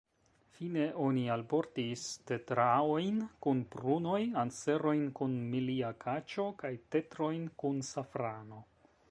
Fine oni alportis tetraojn kun prunoj, anserojn kun milia kaĉo kaj tetrojn kun safrano.